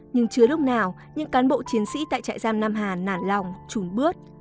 nhưng chưa lúc nào những cán bộ chiến sĩ tại chạy giam nam hà nản lòng trùm bước